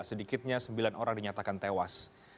sedikitnya sembilan orang dinyatakan tewas